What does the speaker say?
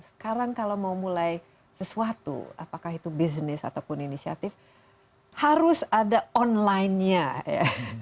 sekarang kalau mau mulai sesuatu apakah itu bisnis ataupun inisiatif harus ada online nya ya